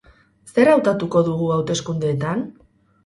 Zer hautatuko dugu hauteskundeetan?